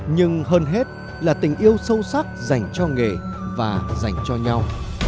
nhưng hơn hết là tình yêu sâu sắc dành cho nghề và dành cho nhau